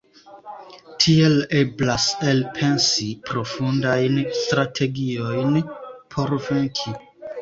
Tiel eblas elpensi profundajn strategiojn por venki.